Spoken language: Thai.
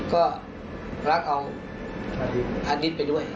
ก็รักเอาอาร์ดิสไปด้วย